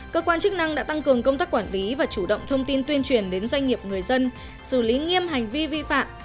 cơ quan chức năng đã tăng cường công tác quản lý và chủ động thông tin tuyên truyền đến doanh nghiệp người dân xử lý nghiêm hành vi vi phạm